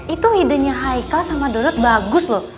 itu idenya haikal sama dodot bagus loh